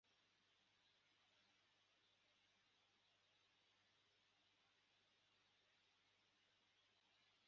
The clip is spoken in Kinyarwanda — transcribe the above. n'inzabibu ntizere imbuto; bagahingira ubusa imyelayo,